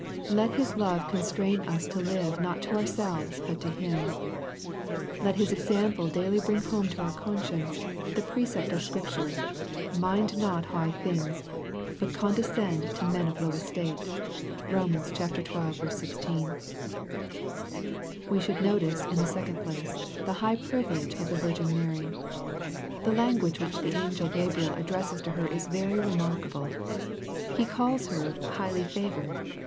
Let His love constrain us to live not to our selves, but to Him. Let His example daily bring home to our conscience the precept of Scripture :" Mind not high things, but condescend to men of low estate." (Rom. xii. 16.) We should notice, in the second place, the high privilege of the Virgin Mary, The language which the angel Gabriel addresses to her is very remarkable. He calls her " highly favored.''